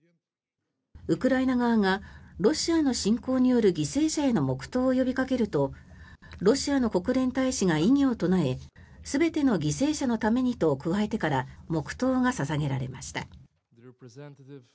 ウクライナ側がロシアの侵攻による犠牲者への黙祷を呼びかけるとロシアの国連大使が異議を唱え全ての犠牲者のためにと加えてから黙祷が捧げられました。